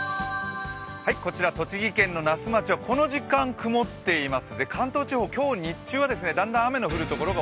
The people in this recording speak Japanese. こちら、栃木県の那須町はこの時間、曇っています。